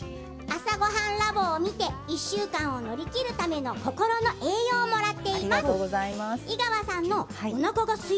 「朝ごはんＬａｂ．」を見て１週間を乗り切るための心の栄養をもらっています。